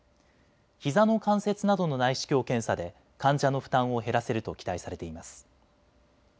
ひざの関節などの内視鏡検査で患者の負担を減らせると期待されています。